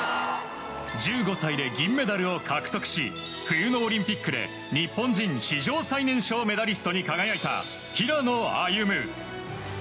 １５歳で銀メダルを獲得し冬のオリンピックで日本人史上最年少メダリストに輝いた平野歩夢。